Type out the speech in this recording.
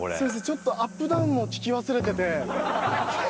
ちょっとアップダウンを聞き忘れてて。